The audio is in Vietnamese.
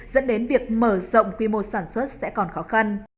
dẫn đến việc mở rộng quy mô sản xuất sẽ còn khó khăn